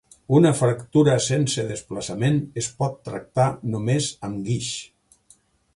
Un fractura sense desplaçament es pot tractar només amb guix.